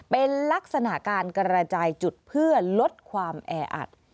เป็นลักษณะการกระจายจุดเพื่อลดความแออัด